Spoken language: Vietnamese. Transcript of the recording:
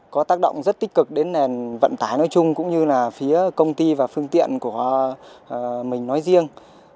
có tác động rất tích cực đến nền vận tải nói chung cũng như là phía công ty và phương tiện của mình nói riêng